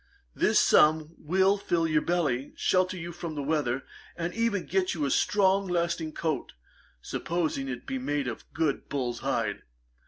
This sum will fill your belly, shelter you from the weather, and even get you a strong lasting coat, supposing it to be made of good bull's hide.